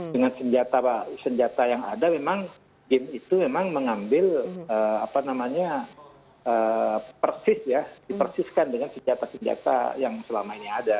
dengan senjata yang ada memang game itu memang mengambil persis ya dipersiskan dengan senjata senjata yang selama ini ada